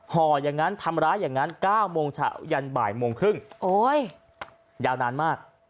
ห่ออย่างนั้นทำร้ายอย่างนั้น๙โมงเช้ายันบ่ายโมงครึ่งโอ้ยยาวนานมาก